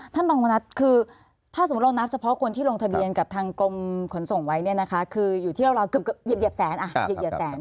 ท่านรองวันนัดคือถ้าสมมุติเรานับเฉพาะคนที่ลงทะเบียนกับทางกรมขนส่งไว้เนี่ยนะคะคืออยู่ที่ราวเกือบเหยียบแสนเหยียบแสน